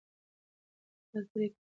باد پرې کول د خېټې فشار کموي.